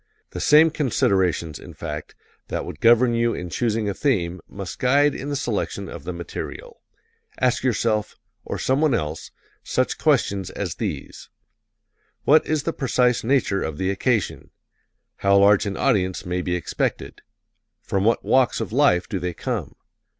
The same considerations, in fact, that would govern you in choosing a theme must guide in the selection of the material. Ask yourself or someone else such questions as these: What is the precise nature of the occasion? How large an audience may be expected? From what walks of life do they come?